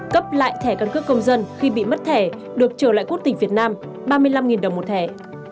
cấp lại thẻ căn cước công dân khi bị mất thẻ được trở lại quốc tịch việt nam ba mươi năm đồng một thẻ